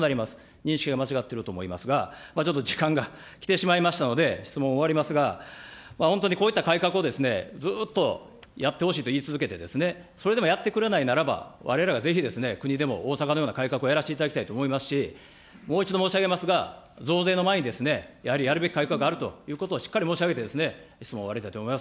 認識が間違ってると思いますが、ちょっと時間が来てしまいましたので、質問を終わりますが、本当にこういった改革をずっとやってほしいと言い続けて、それでもやってくれないならば、われわれはぜひ、国ででもぜひ大阪のような改革をやらせていただきたいと思いますし、もう一度申し上げますが、増税の前にやはりやるべき改革はあるということをしっかり申し上げて、質問を終わりたいと思います。